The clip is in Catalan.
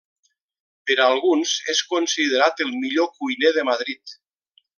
Per a alguns és considerat el millor cuiner de Madrid.